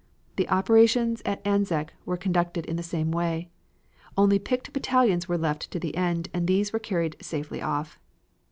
The operations at Anzac were conducted in the same way. Only picked battalions were left to the end, and these were carried safely off.